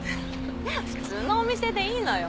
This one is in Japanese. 普通のお店でいいのよ。